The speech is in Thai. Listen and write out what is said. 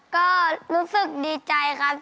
ก็รู้สึกดีใจครับ